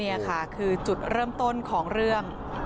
นี่ค่ะคือจุดเริ่มต้นของเรื่อง